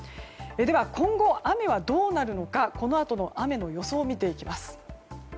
今後、雨はどうなるのかこのあとの雨の予想を見ていきます。